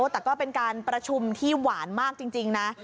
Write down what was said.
แต่ก็เป็นการประชุมที่หวานมากจริงนะ